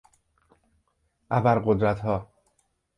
ابر قدرتها